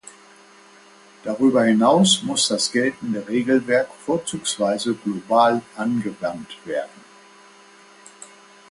Darüber hinaus muss das geltende Regelwerk vorzugsweise global angewandt werden.